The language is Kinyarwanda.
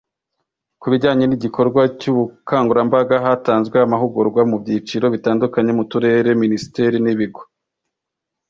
ku bijyanye n’igikorwa cy’ubukangurambaga, hatanzwe amahugurwa mu byiciro bitandukanye mu turere, minisiteri n’ibigo.